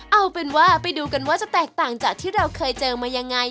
เอาเป็นว่าไปดูกันว่าจะแตกต่างจากที่เราเคยเจอมายังไง